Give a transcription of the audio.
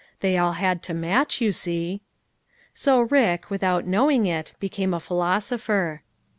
They all had to match, you see." So Rick, without knowing it, became a philosopher.